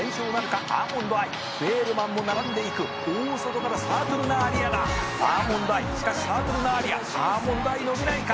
「フィエールマンも並んでいく」「大外からサートゥルナーリアだ」「アーモンドアイしかしサートゥルナーリアアーモンドアイ伸びないか」